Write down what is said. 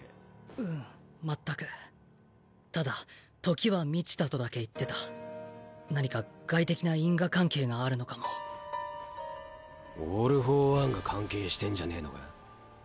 ううん全くただ時は満ちたとだけ言ってた何か外的な因果関係があるのかもオール・フォー・ワンが関係してんじゃねえのか？